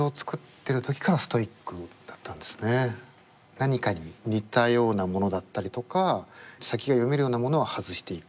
何かに似たようなものだったりとか先が読めるようなものは外していく。